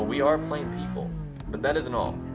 We are plain people. But that isn't all.